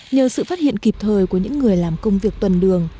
nhờ sự phát hiện kịp thời của những người làm công việc tuần đường